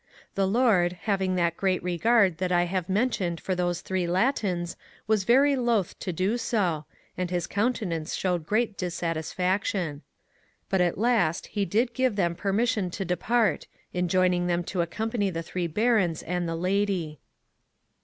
The Lord, having that great regard that I have mentioned for those three Latins, was very loath to do so [and his countenance showed great dissatisfaction]. But at last he did give them permission to depart, enjoining them to accompany the three Barons and the Lady.